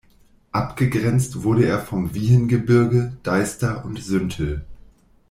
Abgegrenzt wurde er vom Wiehengebirge, Deister und Süntel.